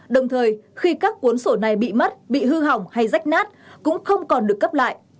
đồng thời khi các cuốn sổ này bị mất bị hư hỏng hay rách nát cũng không còn được cấp lại